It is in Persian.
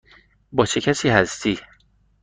با چه کسی هستی؟